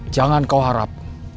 jangan kau harap